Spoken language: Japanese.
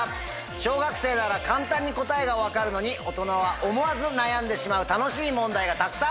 小学生なら簡単に答えが分かるのに大人は思わず悩んでしまう楽しい問題がたくさん。